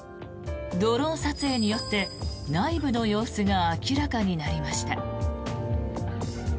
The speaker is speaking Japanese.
ドローン撮影によって内部の様子が明らかになりました。